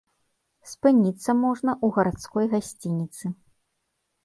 Спыніцца можна ў гарадской гасцініцы.